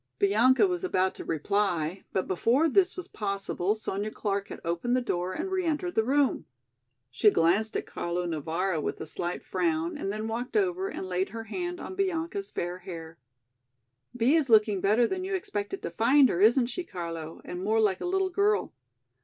Bianca was about to reply, but before this was possible Sonya Clark had opened the door and re entered the room. She glanced at Carlo Navara with a slight frown and then walked over and laid her hand on Bianca's fair hair. "Bee is looking better than you expected to find her, isn't she, Carlo, and more like a little girl?